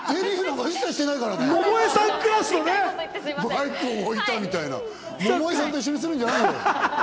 マイク置いたみたいな、百恵さんと一緒にするんじゃないよ！